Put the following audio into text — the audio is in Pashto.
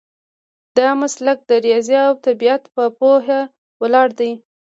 دا مسلک د ریاضي او طبیعت په پوهه ولاړ دی.